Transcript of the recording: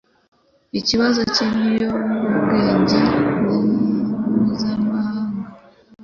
Ikibazo cyibiyobyabwenge ni mpuzamahanga.